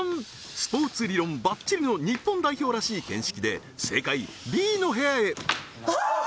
スポーツ理論バッチリの日本代表らしい見識で正解Ｂの部屋へうわー！